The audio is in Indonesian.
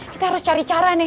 kita harus cari cara nih